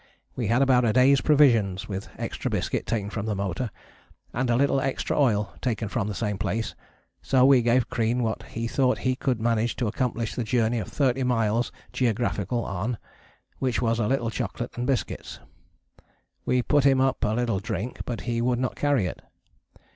We had about a day's provisions with extra biscuit taken from the motor, and a little extra oil taken from the same place, so we gave Crean what he thought he could manage to accomplish the Journey of 30 miles geographical on, which was a little chocolate and biscuits. We put him up a little drink, but he would not carry it.